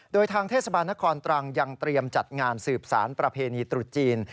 โดยทางเทศบาลนครตรังยังเตรียมจัดงานสืบสารประเพณีตรุษจีน